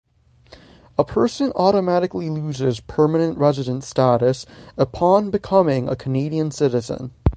A person automatically loses permanent residence status upon becoming a Canadian citizen.